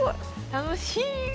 楽しい。